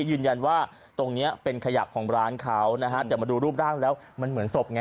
ยืนยันว่าตรงนี้เป็นขยะของร้านเขานะฮะแต่มาดูรูปร่างแล้วมันเหมือนศพไง